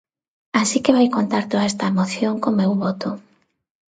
Así que vai contar toda esta moción co meu voto.